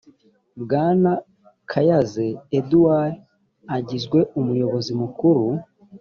bwana kyazze edward agizwe umuyobozi mukuru